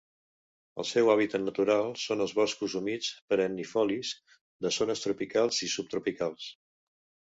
El seu hàbitat natural són els boscos humits perennifolis de zones tropicals i subtropicals.